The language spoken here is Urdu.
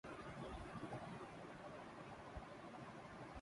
اسپاٹ فکسنگ پاکستان کرکٹ کو مشکل وقت کا سامنا ہے